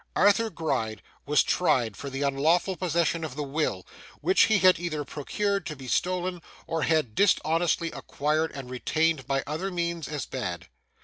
Arthur Gride was tried for the unlawful possession of the will, which he had either procured to be stolen, or had dishonestly acquired and retained by other means as bad.